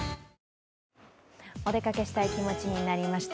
お出かけしたい気持ちになりました。